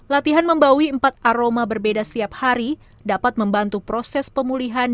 latihan membawi empat aroma berbeda setiap hari dapat membantu proses pemulihan